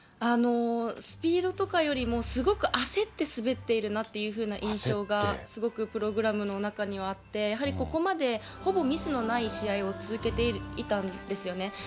スピードとかよりも、すごく焦って滑っているなという印象がすごくプログラムの中にはあって、やはりここまで、ほぼミスのない試合を続けていたんですよね。